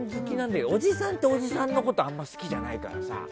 でも、おじさんっておじさんのことあまり好きじゃないからさ。